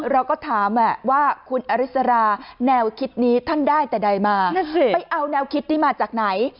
เราก็ถามว่าคุณอริสราแนวคิดนี้ท่านได้แต่ใดมาไปเอาแนวคิดนี้มาจากไหน